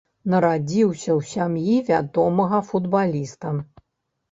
Нарадзіўся ў сям'і вядомага футбаліста.